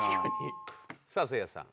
さあせいやさん。